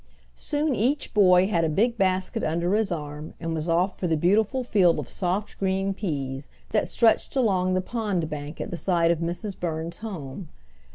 Soon each boy had a big basket under his arm, and was off for the beautiful field of soft green peas, that stretched along the pond bank at the side of Mrs. Burns' home.